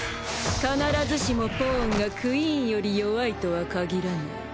必ずしもポーンがクイーンより弱いとはかぎらない。